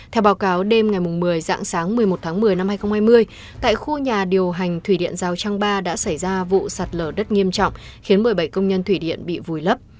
theo báo cáo đêm ngày một mươi dạng sáng một mươi một tháng một mươi năm hai nghìn hai mươi tại khu nhà điều hành thủy điện giao trang ba đã xảy ra vụ sạt lở đất nghiêm trọng khiến một mươi bảy công nhân thủy điện bị vùi lấp